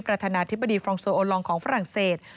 ประธานาธิบดีฟรองโซโอลองของฝรั่งเศส